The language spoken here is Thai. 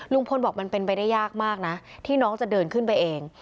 ลุงพลบอกมันเป็นไปได้ยากมากนะที่น้องจะเดินขึ้นไปเอง